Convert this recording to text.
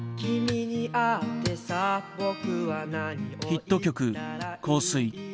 ヒット曲「香水」。